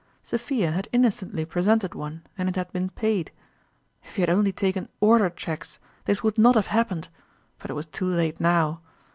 Sophia had inno cently presented one, and it had been paid. If he had only taken "order" cheques, this would not have happened, but it was too late now